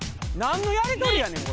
何のやり取りやねん。